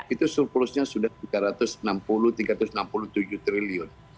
itu surplusnya sudah tiga ratus enam puluh tiga ratus enam puluh tujuh triliun